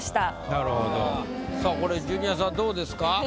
なるほどさぁこれジュニアさんどうですか？